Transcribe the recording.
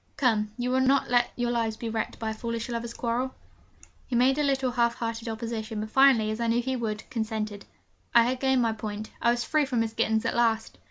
Come, you will not let your lives be wrecked by a foolish lovers' quarrel?' He made a little half hearted opposition, but finally, as I knew he would, consented. I had gained my point: I was free from Miss Gittens at last!